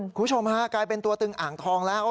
คุณผู้ชมฮะกลายเป็นตัวตึงอ่างทองแล้ว